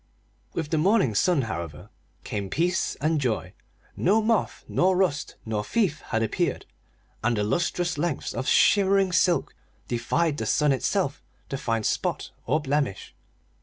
With the morning sun, however, came peace and joy. No moth nor rust nor thief had appeared, and the lustrous lengths of shimmering silk defied the sun itself to find spot or blemish.